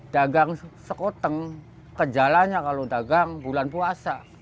dagang sekoteng kejalanya kalau dagang bulan puasa